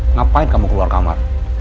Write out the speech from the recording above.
ngapain kamu keluar kamar